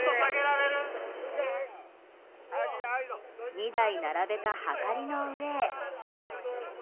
２台並べたはかりの上へ。